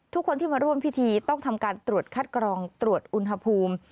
ทุกคนที่มาร่วมพิธีต้องทำการตรวจคัดกรองตรวจอุณหภูมิ